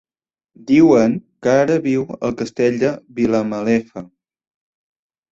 Diuen que ara viu al Castell de Vilamalefa.